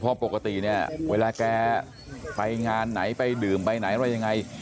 เพราะปกติเนี่ยเวลาแกไปงานไหนไปดื่มไปไหนอะไรยังไง